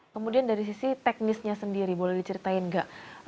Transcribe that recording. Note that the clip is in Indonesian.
kemudian dari sisi teknisnya sendiri boleh diceritain nggak